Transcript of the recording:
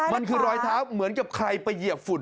มันคือรอยเท้าเหมือนกับใครไปเหยียบฝุ่น